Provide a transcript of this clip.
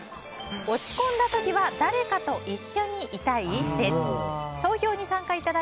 落ち込んだ時は誰かと一緒にいたい？